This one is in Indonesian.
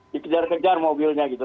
dikejar kejar mobilnya gitu